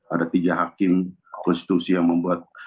ada tiga hakim konstitusi yang membuat